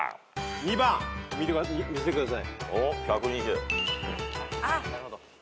２番見せてください。